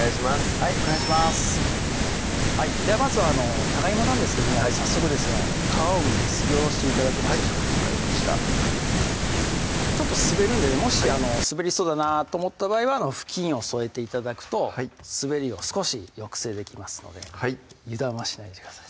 はいお願いしますではまずは長いもなんですけども早速ですが皮をむいてすりおろして頂けますでしょうか分かりましたちょっと滑るんでねもし滑りそうだなと思った場合は布巾を添えて頂くと滑りを少し抑制できますので油断はしないでください